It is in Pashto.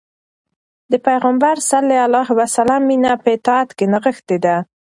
د پيغمبر ﷺ مینه په اطاعت کې نغښتې ده.